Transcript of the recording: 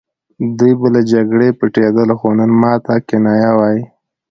دوی به له جګړې پټېدل خو نن ماته کنایه وايي